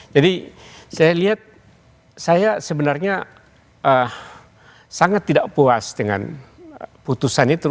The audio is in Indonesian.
jadi saya lihat saya sebenarnya sangat tidak puas dengan putusannya